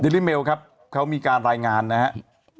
ลิเมลครับเขามีการรายงานนะครับ